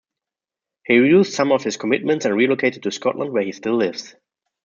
He reduced some of his commitments and relocated to Scotland where he still lives.